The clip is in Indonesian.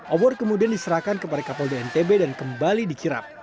obor kemudian diserahkan kepada kapal dntb dan kembali dikirap